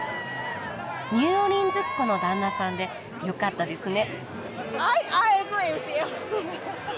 ニューオーリンズっ子の旦那さんでよかったですね。